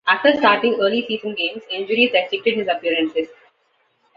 After starting early season games, injuries restricted his appearances.